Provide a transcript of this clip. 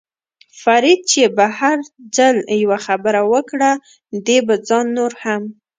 فرید چې به هر ځل یوه خبره وکړه، دې به ځان نور هم.